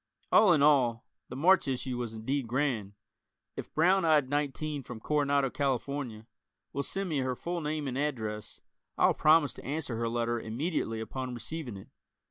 All in all the March issue was indeed grand. If "Brown Eyed Nineteen from Coronado, Calif.," will send me her full name and address, I'll promise to answer her letter immediately upon receiving it.